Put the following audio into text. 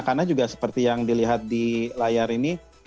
karena juga seperti yang dilihat di layar ini